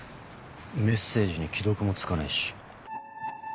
メッセージに既読もつかないし。